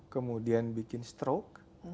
kemudian bikin stroke